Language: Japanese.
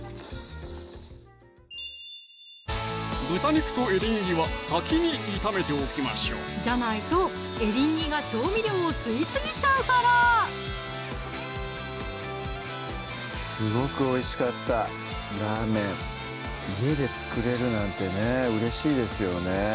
豚肉とエリンギは先に炒めておきましょうじゃないとエリンギが調味料を吸いすぎちゃうからすごくおいしかったラーメン家で作れるなんてねうれしいですよね